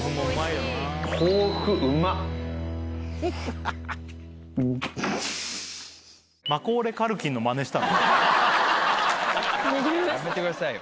やめてくださいよ。